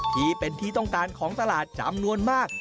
ที่เป็นที่ต้องการของตลาดจำนวนมาก